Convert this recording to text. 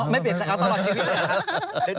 อ๋อไม่เปลี่ยนใจเอาตลอดชีวิตเลยครับ